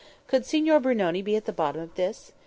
Could Signor Brunoni be at the bottom of this?